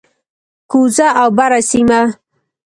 کوزه او بره سیمه،